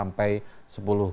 kemudian metode pemilihan